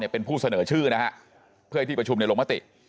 เป็นผู้เสนอชื่อนะฮะเพื่อให้ที่ประชุมลงมติ